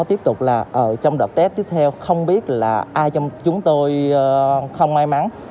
tiếp tục là trong đợt tết tiếp theo không biết là ai trong chúng tôi không may mắn